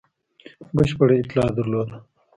بشپړه اطلاع درلوده.